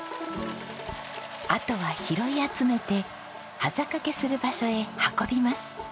あとは拾い集めてはざかけする場所へ運びます。